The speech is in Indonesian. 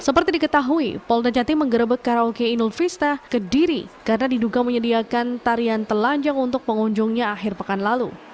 seperti diketahui polda jati menggerebek karaoke inul vista ke diri karena diduga menyediakan tarian telanjang untuk pengunjungnya akhir pekan lalu